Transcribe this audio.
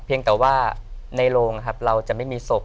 แต่ว่าในโรงครับเราจะไม่มีศพ